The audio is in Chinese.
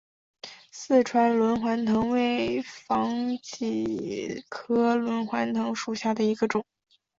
四川轮环藤为防己科轮环藤属下的一个种。